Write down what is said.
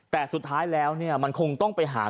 แต่สุดท้ายแล้วเนี่ยมันคงต้องไปหา